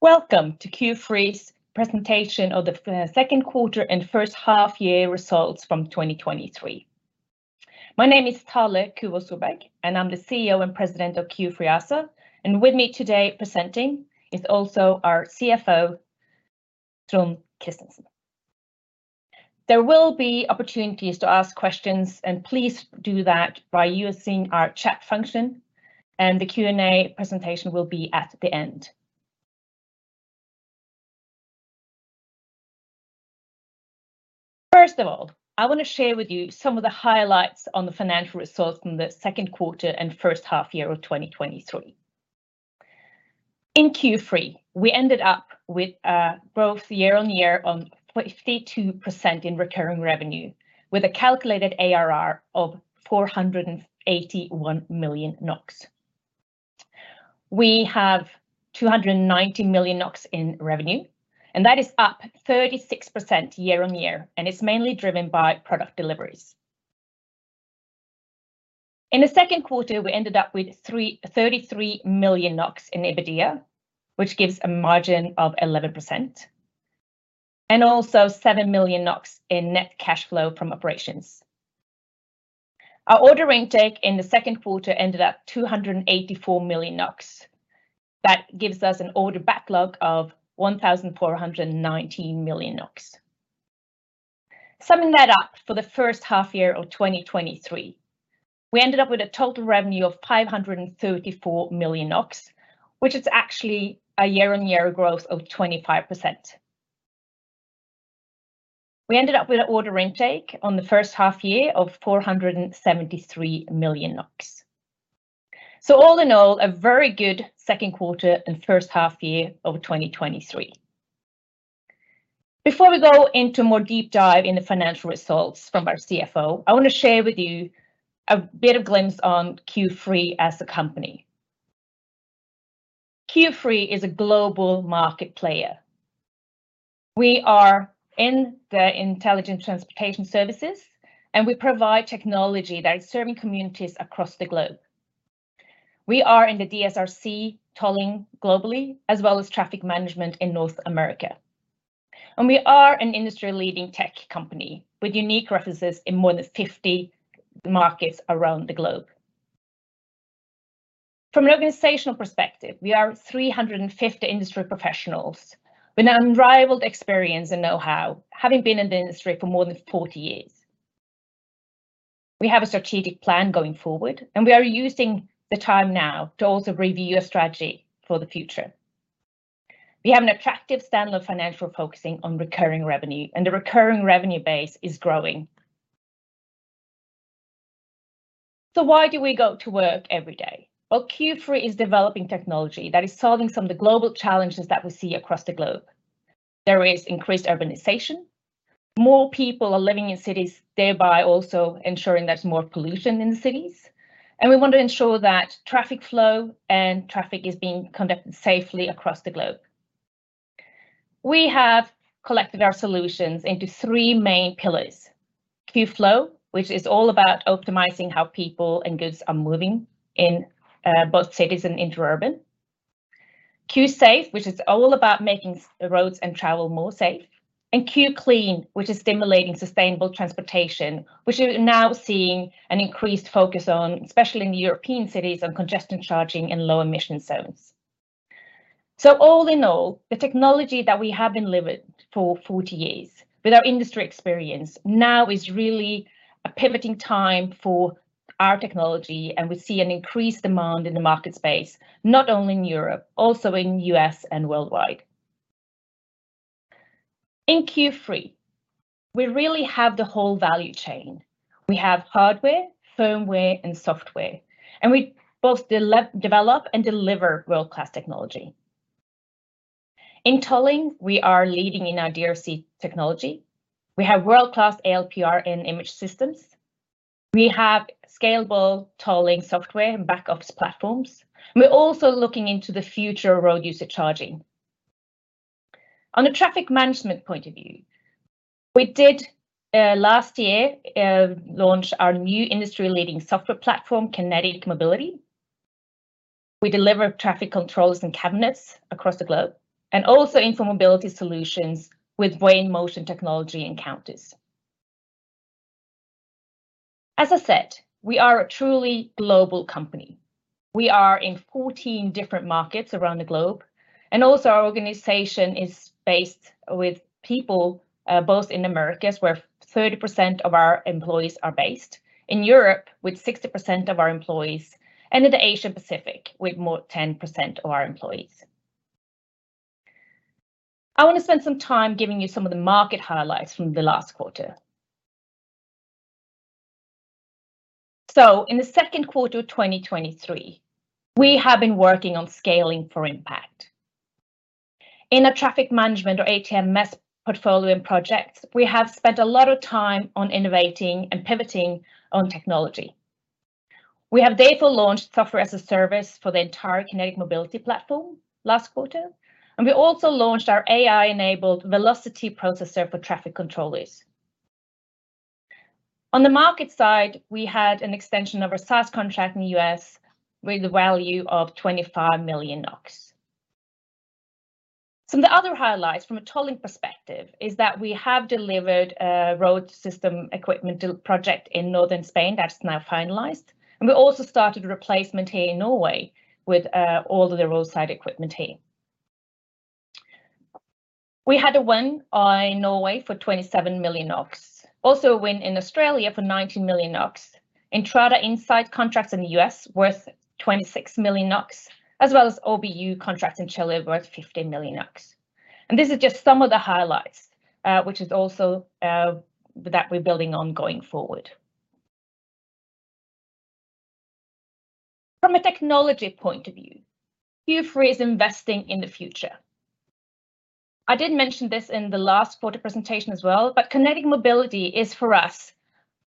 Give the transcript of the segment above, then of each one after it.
Welcome to Q-Free's presentation of the second quarter and first half year results from 2023. My name is Thale Kuvås Solberg, and I'm the CEO and President of Q-Free ASA, and with me today presenting is also our CFO, Trond Christensen. There will be opportunities to ask questions, and please do that by using our chat function, and the Q&A presentation will be at the end. First of all, I wanna share with you some of the highlights on the financial results from the second quarter and first half year of 2023. In Q3, we ended up with growth year-on-year on 52% in recurring revenue, with a calculated ARR of 481 million NOK. We have 290 million NOK in revenue, and that is up 36% year-on-year, and it's mainly driven by product deliveries. In the second quarter, we ended up with 33 million NOK in EBITDA, which gives a margin of 11%, and also 7 million NOK in net cash flow from operations. Our order intake in the second quarter ended at 284 million NOK. That gives us an order backlog of 1,419 million NOK. Summing that up for the first half year of 2023, we ended up with a total revenue of 534 million NOK, which is actually a year-on-year growth of 25%. We ended up with an order intake on the first half year of 473 million NOK. All in all, a very good second quarter and first half year of 2023. Before we go into more deep dive in the financial results from our CFO, I want to share with you a bit of glimpse on Q-Free as a company. Q-Free is a global market player. We are in the intelligent transportation services. We provide technology that is serving communities across the globe. We are in the DSRC tolling globally, as well as traffic management in North America. We are an industry-leading tech company with unique references in more than 50 markets around the globe. From an organizational perspective, we are 350 industry professionals with an unrivaled experience and know-how, having been in the industry for more than 40 years. We have a strategic plan going forward. We are using the time now to also review our strategy for the future. We have an attractive standalone financial focusing on recurring revenue. The recurring revenue base is growing. Why do we go to work every day? Well, Q-Free is developing technology that is solving some of the global challenges that we see across the globe. There is increased urbanization. More people are living in cities, thereby also ensuring there's more pollution in the cities, and we want to ensure that traffic flow and traffic is being conducted safely across the globe. We have collected our solutions into three main pillars: Q-Flow, which is all about optimizing how people and goods are moving in, both cities and interurban, Q-Safe, which is all about making the roads and travel more safe, and Q-Clean, which is stimulating sustainable transportation, which we are now seeing an increased focus on, especially in the European cities, on congestion charging and low-emission zones. All in all, the technology that we have been delivering for 40 years, with our industry experience, now is really a pivoting time for our technology, and we see an increased demand in the market space, not only in Europe, also in U.S. and worldwide. In Q-Free, we really have the whole value chain. We have hardware, firmware, and software, and we both develop and deliver world-class technology. In tolling, we are leading in our DSRC technology. We have world-class ALPR and image systems. We have scalable tolling software and back-office platforms. We're also looking into the future of road user charging. On a traffic management point of view, we did last year launch our new industry-leading software platform, Kinetic Mobility. We deliver traffic controls and cabinets across the globe, and also info mobility solutions with Viai motion technology and counters. As I said, we are a truly global company. Also our organization is based with people, both in Americas, where 30% of our employees are based, in Europe, with 60% of our employees, and in the Asia Pacific, with 10% of our employees. I want to spend some time giving you some of the market highlights from the last quarter. In the second quarter of 2023, we have been working on scaling for impact. In a traffic management or ATMS portfolio and projects, we have spent a lot of time on innovating and pivoting on technology. We have therefore launched software as a service for the entire Kinetic Mobility platform last quarter. We also launched our AI-enabled Velocity Processor for traffic controllers. On the market side, we had an extension of our SaaS contract in the US with a value of 25 million NOK. Some of the other highlights from a tolling perspective is that we have delivered a road system equipment project in northern Spain that's now finalized, and we also started a replacement here in Norway with all of the roadside equipment team. We had a win in Norway for 27 million. Also, a win in Australia for 90 million. Intrada inside contracts in the US worth 26 million, as well as OBU contracts in Chile worth 15 million. This is just some of the highlights, which is also that we're building on going forward. From a technology point of view, Q-Free is investing in the future. I did mention this in the last quarter presentation as well, Kinetic Mobility is, for us,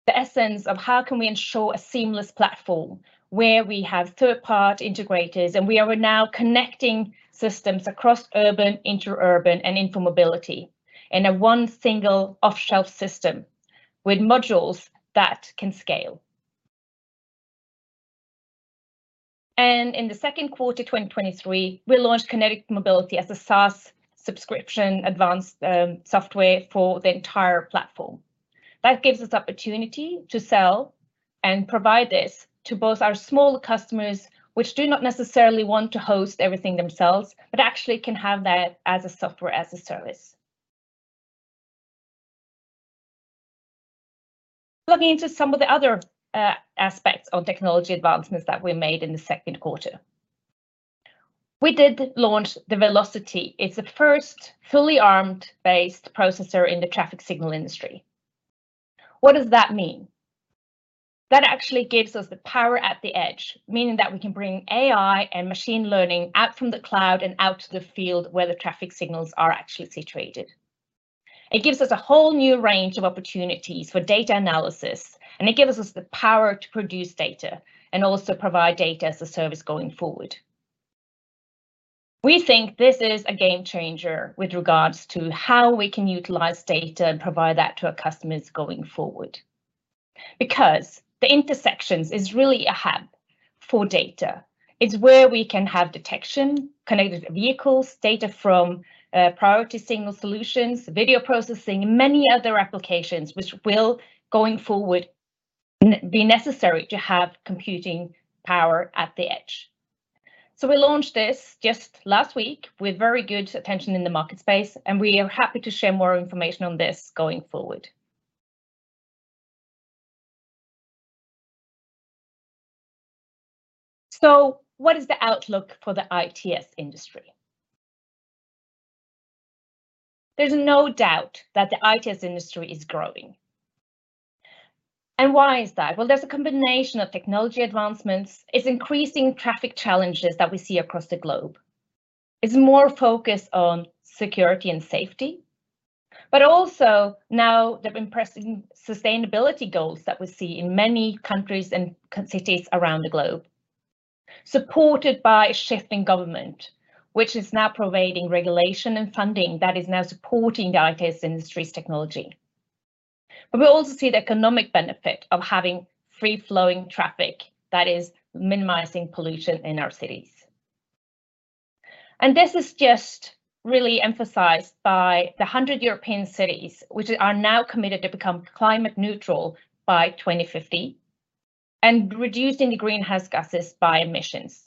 the essence of how can we ensure a seamless platform where we have third-party integrators, and we are now connecting systems across urban, interurban, and intermobility in a one single off-the-shelf system with modules that can scale. In the second quarter 2023, we launched Kinetic Mobility as a SaaS subscription advanced software for the entire platform. That gives us opportunity to sell and provide this to both our smaller customers, which do not necessarily want to host everything themselves, but actually can have that as a software as a service. Looking into some of the other aspects on technology advancements that we made in the second quarter. We did launch the Velocity. It's the first fully ARM-based processor in the traffic signal industry. What does that mean? That actually gives us the power at the edge, meaning that we can bring AI and machine learning out from the cloud and out to the field where the traffic signals are actually situated. It gives us a whole new range of opportunities for data analysis, and it gives us the power to produce data and also provide data as a service going forward. We think this is a game changer with regards to how we can utilize data and provide that to our customers going forward, because the intersections is really a hub for data. It's where we can have detection, connected vehicles, data from priority signal solutions, video processing, and many other applications which will, going forward, be necessary to have computing power at the edge. We launched this just last week with very good attention in the market space, and we are happy to share more information on this going forward. What is the outlook for the ITS industry? There's no doubt that the ITS industry is growing. Why is that? Well, there's a combination of technology advancements. It's increasing traffic challenges that we see across the globe. It's more focused on security and safety, but also now the pressing sustainability goals that we see in many countries and co- cities around the globe, supported by shifting government, which is now providing regulation and funding that is now supporting the ITS industry's technology. We also see the economic benefit of having free-flowing traffic that is minimizing pollution in our cities. This is just really emphasized by the 100 European cities which are now committed to become climate neutral by 2050, and reducing the greenhouse gases by emissions.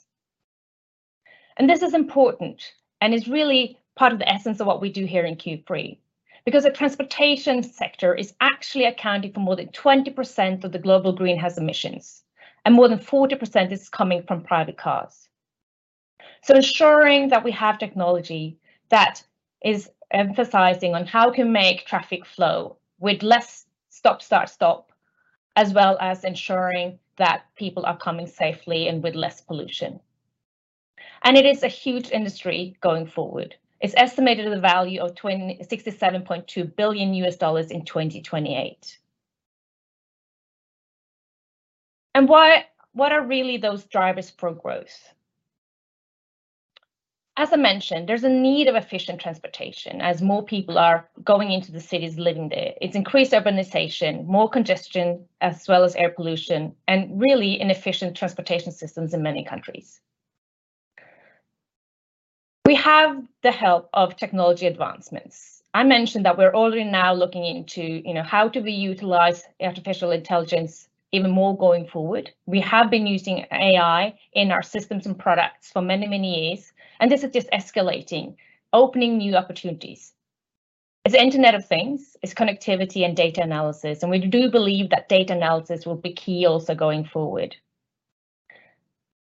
This is important and is really part of the essence of what we do here in Q-Free, because the transportation sector is actually accounting for more than 20% of the global greenhouse emissions, and more than 40% is coming from private cars. Ensuring that we have technology that is emphasizing on how we can make traffic flow with less stop, start, stop, as well as ensuring that people are coming safely and with less pollution. It is a huge industry going forward. It's estimated at a value of $67.2 billion US dollars in 2028. What are really those drivers for growth? As I mentioned, there's a need of efficient transportation as more people are going into the cities, living there. It's increased urbanization, more congestion, as well as air pollution, and really inefficient transportation systems in many countries. We have the help of technology advancements. I mentioned that we're already now looking into, you know, how do we utilize artificial intelligence even more going forward. We have been using AI in our systems and products for many, many years, and this is just escalating, opening new opportunities. It's Internet of Things, it's connectivity and data analysis, and we do believe that data analysis will be key also going forward.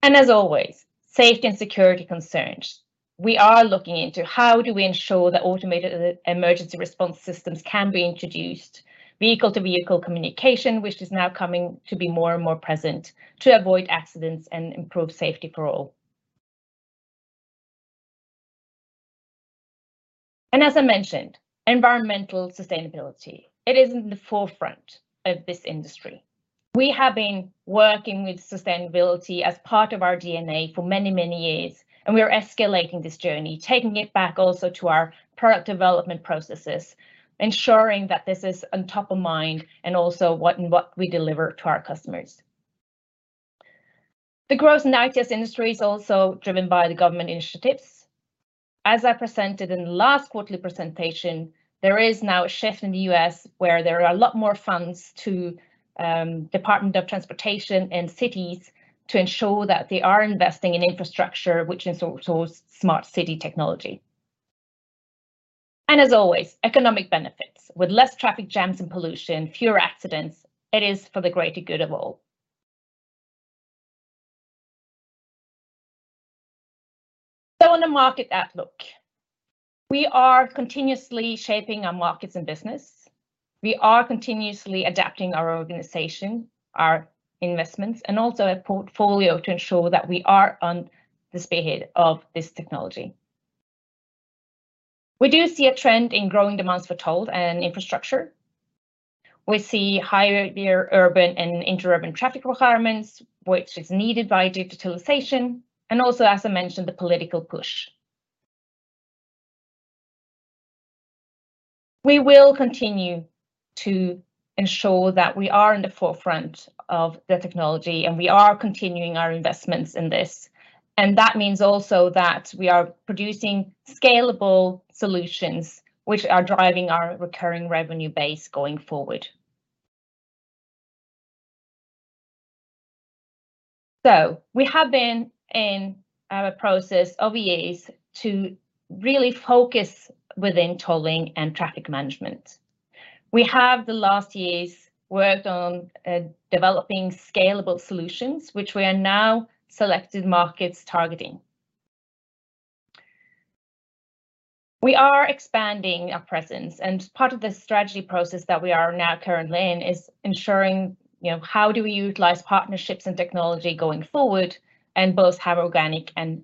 As always, safety and security concerns. We are looking into how do we ensure that automated e- emergency response systems can be introduced, vehicle-to-vehicle communication, which is now coming to be more and more present, to avoid accidents and improve safety for all. As I mentioned, environmental sustainability, it is in the forefront of this industry. We have been working with sustainability as part of our DNA for many, many years, and we are escalating this journey, taking it back also to our product development processes, ensuring that this is on top of mind, and also what we deliver to our customers. The growth in the ITS industry is also driven by the government initiatives. As I presented in the last quarterly presentation, there is now a shift in the U.S. where there are a lot more funds to Department of Transportation and cities to ensure that they are investing in infrastructure, which is also smart city technology. As always, economic benefits. With less traffic jams and pollution, fewer accidents, it is for the greater good of all. On the market outlook, we are continuously shaping our markets and business. We are continuously adapting our organization, our investments, and also our portfolio to ensure that we are on the spearhead of this technology. We do see a trend in growing demands for toll and infrastructure. We see higher urban and inter-urban traffic requirements, which is needed by digitalization, and also, as I mentioned, the political push. We will continue to ensure that we are in the forefront of the technology. We are continuing our investments in this, that means also that we are producing scalable solutions which are driving our recurring revenue base going forward. We have been in a process over years to really focus within tolling and traffic management. We have the last years worked on developing scalable solutions, which we are now selected markets targeting. We are expanding our presence. Part of the strategy process that we are now currently in is ensuring, you know, how do we utilize partnerships and technology going forward, both have organic and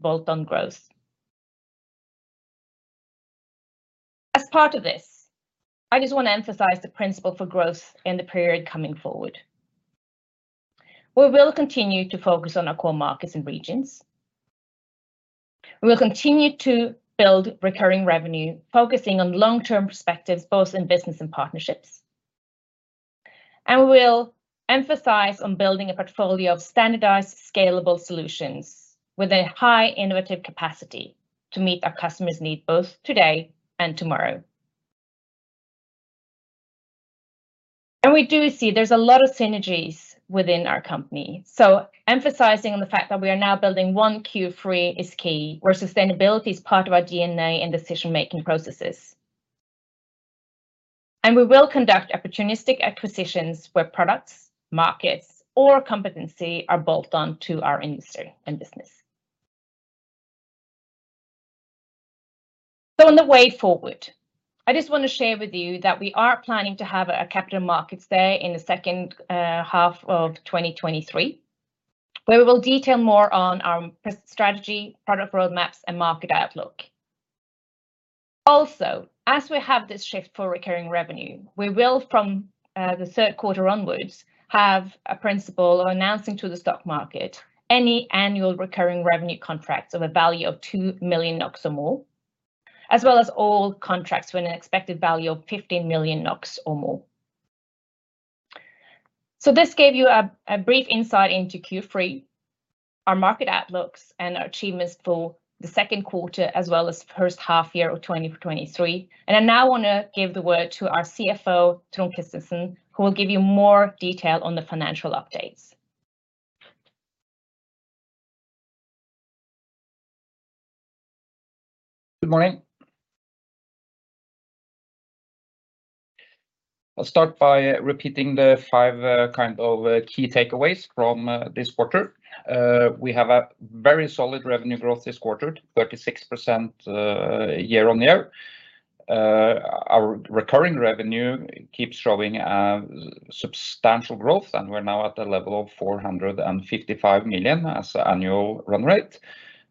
bolt-on growth? As part of this, I just want to emphasize the principle for growth in the period coming forward. We will continue to focus on our core markets and regions. We will continue to build recurring revenue, focusing on long-term perspectives, both in business and partnerships. We will emphasize on building a portfolio of standardized, scalable solutions with a high innovative capacity to meet our customers' needs, both today and tomorrow. We do see there's a lot of synergies within our company, so emphasizing on the fact that we are now building one Q-Free is key, where sustainability is part of our DNA and decision-making processes. We will conduct opportunistic acquisitions where products, markets, or competency are bolt-on to our industry and business. On the way forward, I just want to share with you that we are planning to have a Capital Markets Day in the second half of 2023, where we will detail more on our strategy, product roadmaps, and market outlook. As we have this shift for recurring revenue, we will, from the third quarter onwards, have a principle on announcing to the stock market any annual recurring revenue contracts of a value of 2 million NOK or more, as well as all contracts with an expected value of 15 million NOK or more. This gave you a brief insight into Q3, our market outlooks, and our achievements for the second quarter, as well as the first half year of 2023. I now want to give the word to our CFO, Trond Christensen, who will give you more detail on the financial updates. Good morning. I'll start by repeating the five kind of key takeaways from this quarter. We have a very solid revenue growth this quarter, 36% year-on-year. Our recurring revenue keeps showing substantial growth, and we're now at a level of 455 million as annual run rate.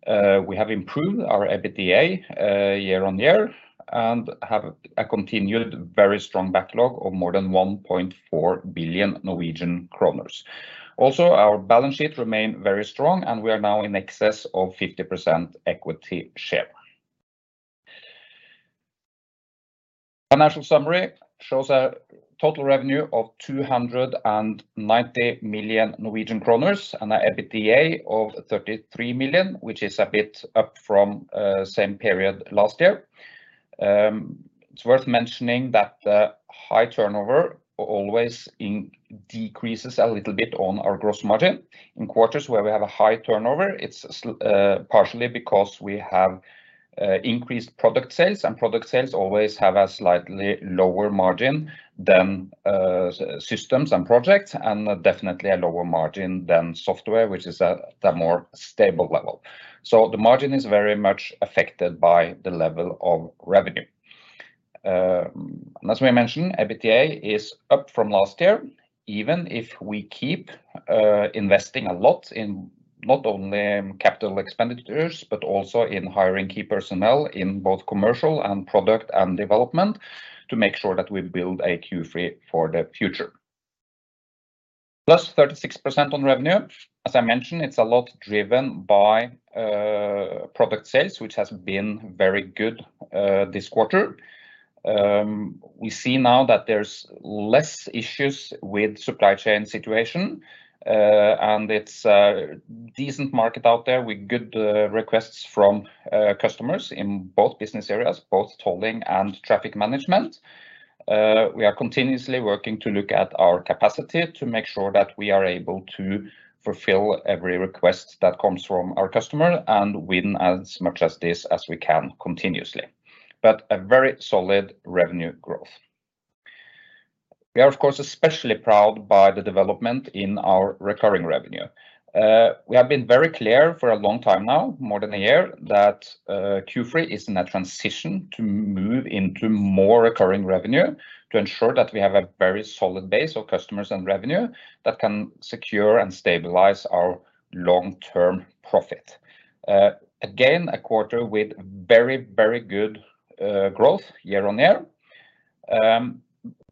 We have improved our EBITDA year-on-year and have a continued very strong backlog of more than 1.4 billion Norwegian kroner. Our balance sheet remained very strong, and we are now in excess of 50% equity share. Financial summary shows a total revenue of 290 million Norwegian kroner and an EBITDA of 33 million, which is a bit up from same period last year. It's worth mentioning that the high turnover always decreases a little bit on our gross margin. In quarters where we have a high turnover, it's partially because we have increased product sales, and product sales always have a slightly lower margin than systems and projects, and definitely a lower margin than software, which is at a more stable level. The margin is very much affected by the level of revenue. As we mentioned, EBITDA is up from last year, even if we keep investing a lot not only in capital expenditures, but also in hiring key personnel in both commercial and product and development, to make sure that we build a Q-Free for the future. Plus 36% on revenue. As I mentioned, it's a lot driven by product sales, which has been very good this quarter. We see now that there's less issues with supply chain situation, and it's a decent market out there with good requests from customers in both business areas, both tolling and traffic management. We are continuously working to look at our capacity to make sure that we are able to fulfill every request that comes from our customer, and win as much as this as we can continuously, but a very solid revenue growth. We are, of course, especially proud by the development in our recurring revenue. We have been very clear for a long time now, more than a year, that Q-Free is in a transition to move into more recurring revenue, to ensure that we have a very solid base of customers and revenue that can secure and stabilize our long-term profit. Again, a quarter with very, very good growth year-on-year.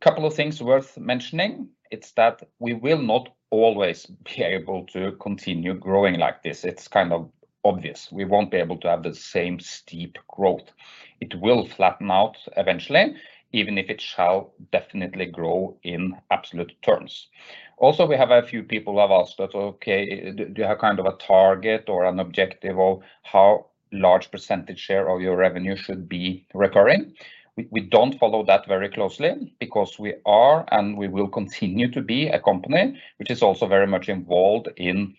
Couple of things worth mentioning, it's that we will not always be able to continue growing like this. It's kind of obvious. We won't be able to have the same steep growth. It will flatten out eventually, even if it shall definitely grow in absolute terms. We have a few people who have asked us, "Okay, do you have kind of a target or an objective of how large percentage share of your revenue should be recurring?" We don't follow that very closely, because we are, and we will continue to be, a company which is also very much involved in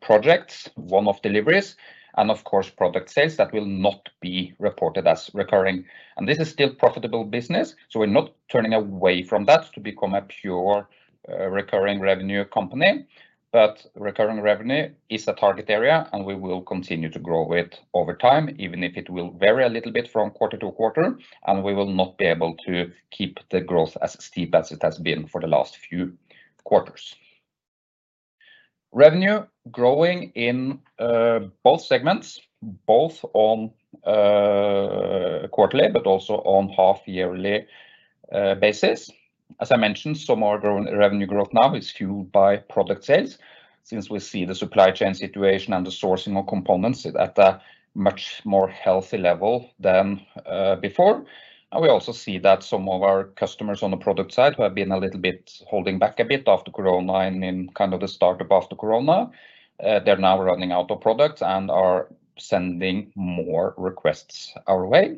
projects, one-off deliveries, and of course, product sales that will not be reported as recurring. This is still profitable business, so we're not turning away from that to become a pure recurring revenue company. Recurring revenue is a target area, and we will continue to grow it over time, even if it will vary a little bit from quarter to quarter, and we will not be able to keep the growth as steep as it has been for the last few quarters. Revenue growing in both segments, both on quarterly, but also on half-yearly basis. As I mentioned, some of our revenue growth now is fueled by product sales, since we see the supply chain situation and the sourcing of components at a much more healthy level than before. We also see that some of our customers on the product side, who have been a little bit... holding back a bit after corona and in kind of the start-up after corona, they're now running out of products and are sending more requests our way.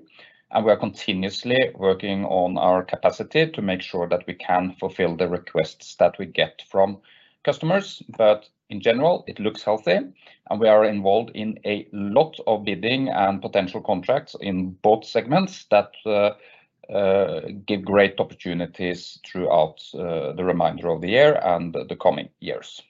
We are continuously working on our capacity to make sure that we can fulfill the requests that we get from customers. In general, it looks healthy, and we are involved in a lot of bidding and potential contracts in both segments that give great opportunities throughout the remainder of the year and the coming years.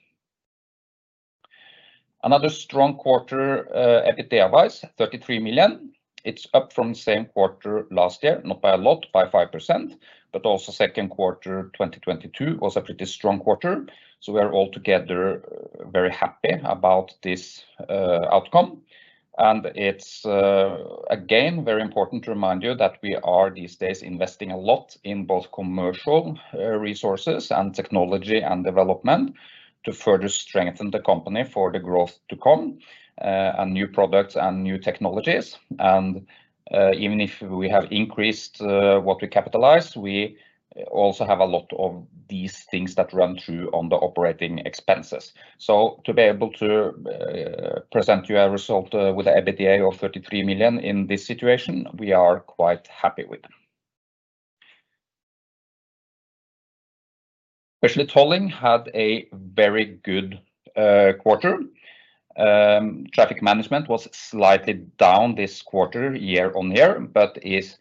Another strong quarter, EBITDA-wise, 33 million. It's up from the same quarter last year, not by a lot, by 5%, but also second quarter 2022 was a pretty strong quarter, so we are all together very happy about this outcome. It's again, very important to remind you that we are, these days, investing a lot in both commercial resources and technology and development, to further strengthen the company for the growth to come, and new products and new technologies. Even if we have increased what we capitalize, we also have a lot of these things that run through on the operating expenses. To be able to present you a result with EBITDA of 33 million in this situation, we are quite happy with. Especially tolling had a very good quarter. Traffic management was slightly down this quarter, year-on-year, but is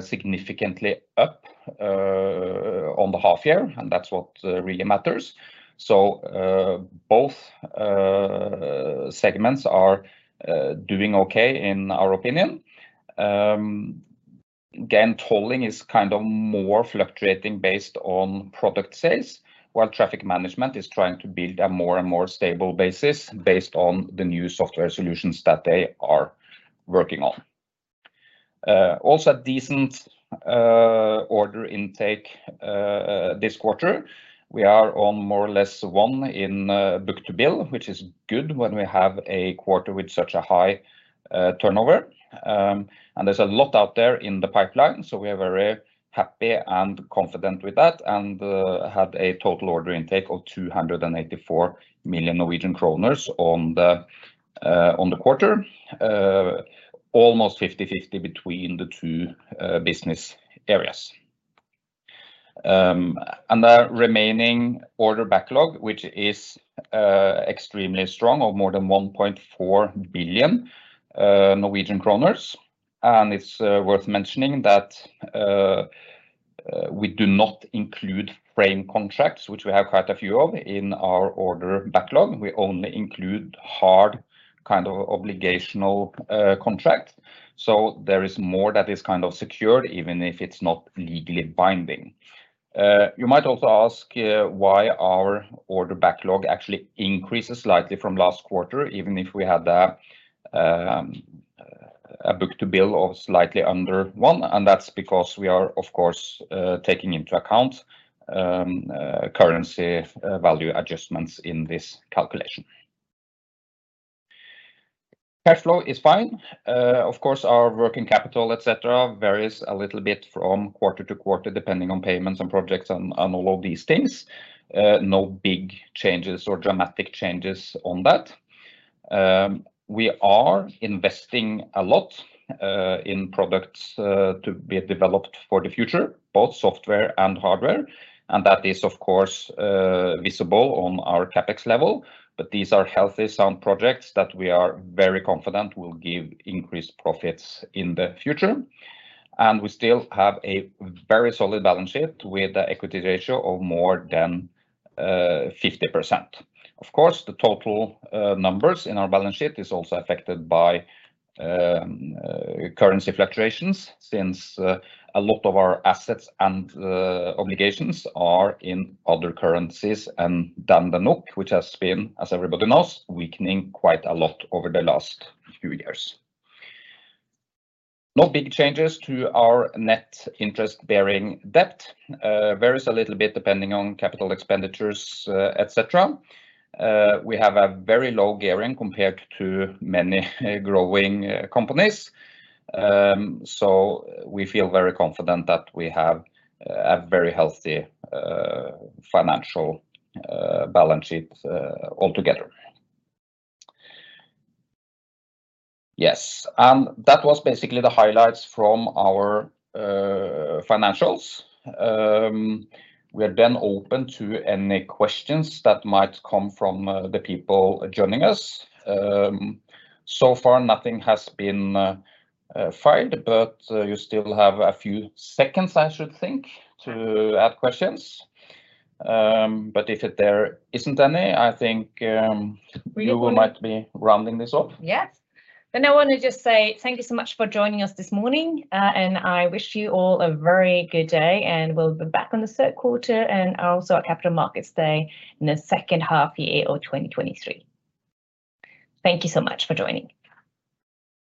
significantly up on the half year, and that's what really matters. Both segments are doing okay, in our opinion. Again, tolling is kind of more fluctuating based on product sales, while traffic management is trying to build a more and more stable basis, based on the new software solutions that they are working on. Also a decent order intake this quarter. We are on, more or less, 1 in book-to-bill, which is good when we have a quarter with such a high turnover. There's a lot out there in the pipeline, so we are very happy and confident with that, and had a total order intake of 284 million Norwegian kroner on the quarter. Almost 50/50 between the two business areas. The remaining order backlog, which is extremely strong, of more than 1.4 billion Norwegian kroner, and it's worth mentioning that we do not include frame contracts, which we have quite a few of in our order backlog. We only include hard, kind of, obligational contract. There is more that is kind of secured, even if it's not legally binding. You might also ask why our order backlog actually increases slightly from last quarter, even if we had a book-to-bill of slightly under 1, and that's because we are, of course, taking into account currency value adjustments in this calculation. Cash flow is fine. Of course, our working capital, et cetera, varies a little bit from quarter to quarter, depending on payments and projects and all of these things. No big changes or dramatic changes on that. We are investing a lot in products to be developed for the future, both software and hardware, and that is, of course, visible on our CapEx level. These are healthy, sound projects that we are very confident will give increased profits in the future, and we still have a very solid balance sheet with a equity ratio of more than 50%. Of course, the total numbers in our balance sheet is also affected by currency fluctuations, since a lot of our assets and obligations are in other currencies, and then the NOK, which has been, as everybody knows, weakening quite a lot over the last few years. No big changes to our net interest-bearing debt. Varies a little bit, depending on capital expenditures, et cetera. We have a very low gearing compared to many growing companies. We feel very confident that we have a very healthy financial balance sheet altogether. Yes, that was basically the highlights from our financials. We are open to any questions that might come from the people joining us. So far, nothing has been found, but you still have a few seconds, I should think, to add questions. If there isn't any, I think, We are going to. you might be rounding this up. Yes. I want to just say thank you so much for joining us this morning, and I wish you all a very good day, and we'll be back on the third quarter and also our Capital Markets Day in the second half year of 2023. Thank you so much for joining us.